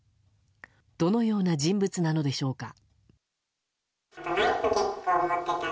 どのような人物なのでしょうか。